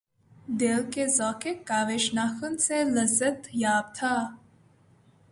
دل کہ ذوقِ کاوشِ ناخن سے لذت یاب تھا